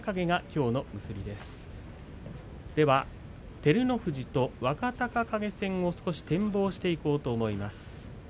照ノ富士と若隆景戦を少し展望していこうと思います。